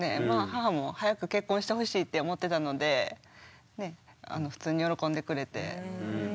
母も早く結婚してほしいって思ってたので普通に喜んでくれて。